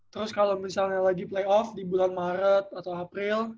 terus kalau misalnya lagi playoff di bulan maret atau april